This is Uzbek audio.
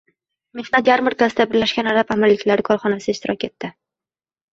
Mehnat yarmarkasida Birlashgan Arab Amirliklari korxonasi ishtirok etdi